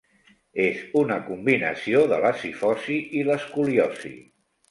És una combinació de la cifosi i l'escoliosi.